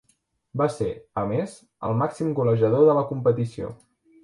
Va ser, a més, el màxim golejador de la competició.